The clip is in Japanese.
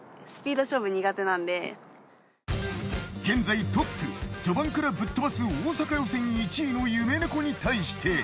現在トップ序盤からぶっ飛ばす大阪予選１位の夢猫に対して。